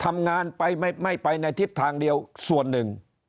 ทำงานไปไม่ไปในทิศทางเดียวส่วนหนึ่ง